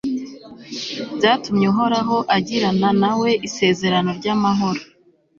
byatumye uhoraho agirana na we isezerano ry'amahoro